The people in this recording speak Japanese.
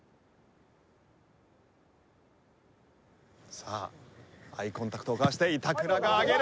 さあアイコンタクトを交わして板倉が上げる！